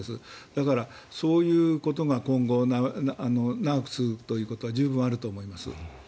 だから、そういうことが今後長く続くということは十分あると思います。